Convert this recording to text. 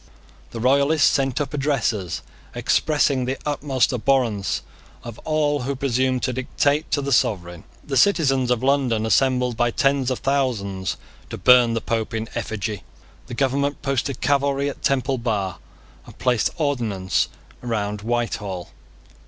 The royalists sent up addresses, expressing the utmost abhorrence of all who presumed to dictate to the sovereign. The citizens of London assembled by tens of thousands to burn the Pope in effigy. The government posted cavalry at Temple Bar, and placed ordnance round Whitehall.